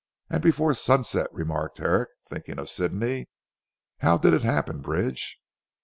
"And before sunset," remarked Herrick, thinking of Sidney. "How did it happen, Bridge?"